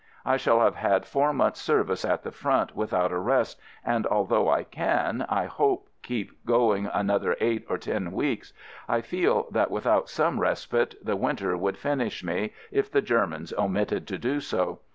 I shall have had four months' service at the front, without a rest, and although I FIELD SERVICE 87 can, I hope, keep going another eight or ten weeks, I feel that without some res pite the winter would finish me, if the Germans omitted to do so.